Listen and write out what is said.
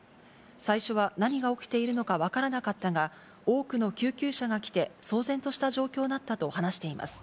最初は何が起きているのか分からなかったが、多くの救急車が来て、騒然とした状況だったと話しています。